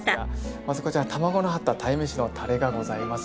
まずこちらに卵の入った鯛めしのタレがございます。